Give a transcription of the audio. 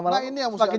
nah ini yang mustahil